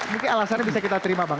mungkin alasannya bisa kita terima bang